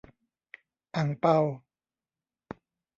อั่งเปา